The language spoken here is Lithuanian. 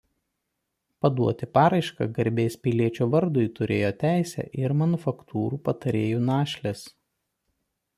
Paduoti paraišką garbės piliečio vardui turėjo teisę ir manufaktūrų patarėjų našlės.